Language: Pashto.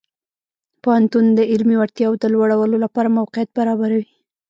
پوهنتون د علمي وړتیاو د لوړولو لپاره موقعیت برابروي.